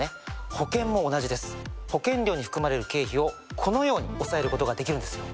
保険料に含まれる経費をこのように抑えることができるんですよ。